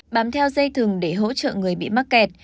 bám theo dây thừng để hỗ trợ người bị mắc kẹt